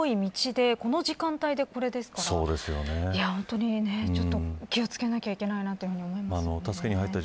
人通りの多い道でこの時間帯でこれですから気を付けないといけないなと思います。